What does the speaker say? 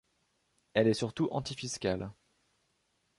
Elle est surtout anti-fiscale.